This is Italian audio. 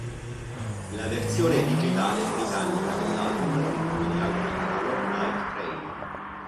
La versione digitale britannica dell'album include anche il brano "Night Train".